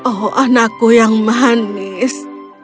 oh anakku yang manis